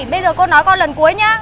bây giờ cô nói con lần cuối nhá